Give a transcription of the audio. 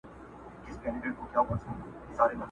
یا د جنګ پر ډګر موږ پهلواني کړه٫